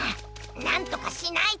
なんとかしないと！